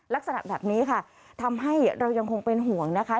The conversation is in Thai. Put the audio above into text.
ลักษณะแบบนี้ค่ะทำให้เรายังคงเป็นห่วงนะคะ